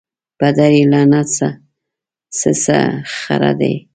پدر یې لعنت سه څه خره دي